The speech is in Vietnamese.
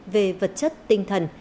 về vật chất tinh thần